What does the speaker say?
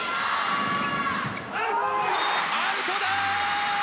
アウトだ！